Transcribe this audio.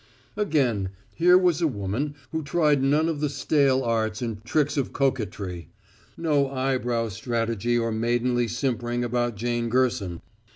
Again, here was a woman who tried none of the stale arts and tricks of coquetry; no eyebrow strategy or maidenly simpering about Jane Gerson.